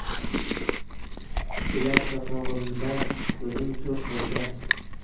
Kelar so‘qmog‘imda ko‘zing to‘rt bo‘lgach